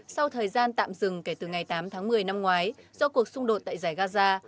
sau thời gian tạm dừng kể từ ngày tám tháng một mươi năm ngoái do cuộc xung đột tại giải gaza